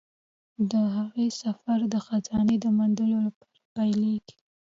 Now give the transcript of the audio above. د هغه سفر د خزانې د موندلو لپاره پیلیږي.